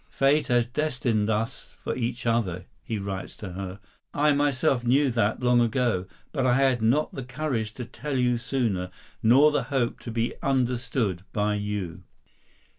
"Fate has destined us for each other," he writes to her. "I myself knew that long ago, but I had not the courage to tell you sooner, nor the hope to be understood by you."